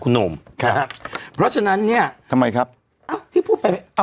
คุณหนุ่มครับเพราะฉะนั้นเนี้ยทำไมครับอ้าวที่พูดไป